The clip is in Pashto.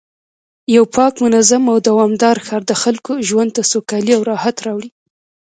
یو پاک، منظم او دوامدار ښار د خلکو ژوند ته سوکالي او راحت راوړي